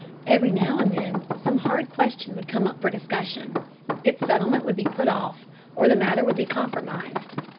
Every now and then some hard question would come up for discussion. Its settlement would be put off, or the matter would be compromised.